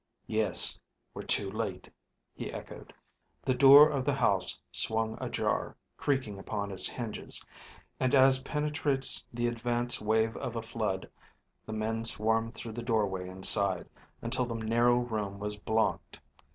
"Yes, we're too late," he echoed. The door of the house swung ajar, creaking upon its hinges; and, as penetrates the advance wave of a flood, the men swarmed through the doorway inside, until the narrow room was blocked.